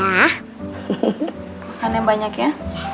makan yang banyak ya